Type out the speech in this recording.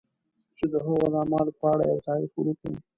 چې د هغه د اعمالو په اړه یو تاریخ ولیکي.